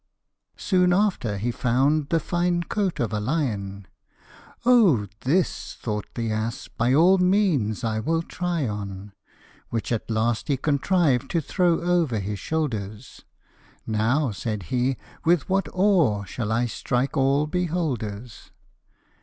Soon after he found the fine coat of a lion ;" Oh ! this/' thought the ass, " by all means I will try on/' Which at last he contriv'd to throw over his shoulders ;" Now/' said he, " with what awe shall I strike all beholders